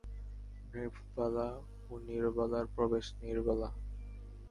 নৃপবালা ও নীরবালার প্রবেশ নীরবালা।